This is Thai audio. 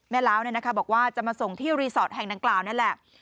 ล้าวบอกว่าจะมาส่งที่รีสอร์ทแห่งดังกล่าวนั่นแหละ